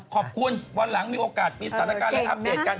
ขอบคุณวันหลังมีโอกาสมีสถานการณ์และอัปเดตกัน